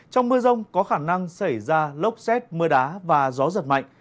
trong mưa rông có khả năng xảy ra lốc xét mưa đá và gió giật mạnh